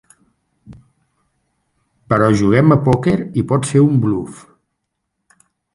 Però juguem a pòquer i pot ser un bluf.